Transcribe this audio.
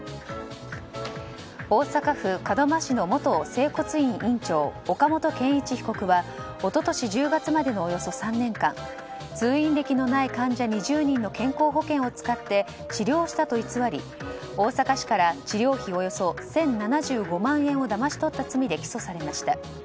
大阪府門真市の元整骨院院長岡本健一被告は一昨年１０月までのおよそ３年間通院歴のない患者２０人の健康保険を使って治療したと偽り大阪市から治療費およそ１０７５万円をだまし取った罪で起訴されました。